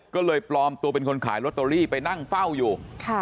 ก็เลยปลอมตัวเป็นคนขายลอตเตอรี่ไปนั่งเฝ้าอยู่